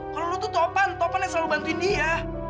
kalo lu tuh topan topannya selalu bantuin dia